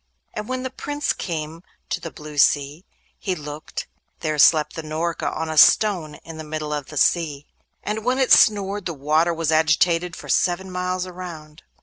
And when the Prince came to the blue sea, he looked—there slept the Norka on a stone in the middle of the sea; and when it snored, the water was agitated for seven miles around.